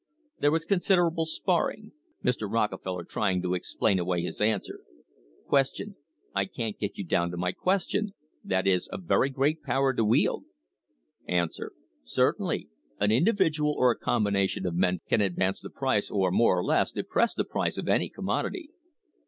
There was considerable sparring, Mr. Rockefeller trying to explain away his answer. Q. I can't get you down to my question ... that is a very great power to wield. A. Certainly; an individual or a combination of men can advance the price or more or less depress the price of any commodity.